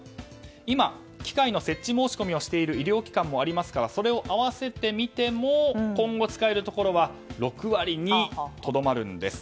今、機械の設置申し込みをしている医療機関もありますからそれを合わせてみても今後使えるところは６割にとどまるんです。